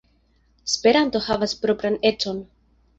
Esperanto havas propran econ.